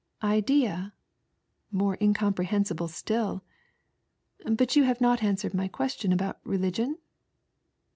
" Idea ?" more incomprehensible still. " But yon have not answered my question about religion